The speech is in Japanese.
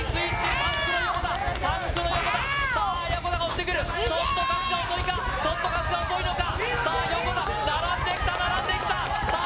３区の横田３区の横田さあ横田が押してくるちょっと春日遅いかちょっと春日遅いのかさあ横田並んできた並んできたさあ